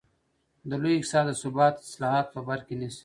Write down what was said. د لوی اقتصاد د ثبات اصلاحات په بر کې نیسي.